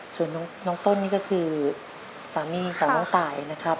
ส่วนน้องต้นนี่ก็คือสามีกับน้องตายนะครับ